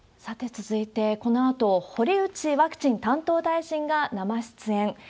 さて続いて、このあと、堀内ワクチン担当大臣が生出演。